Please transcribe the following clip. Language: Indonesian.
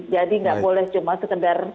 jadi nggak boleh cuma sekedar satu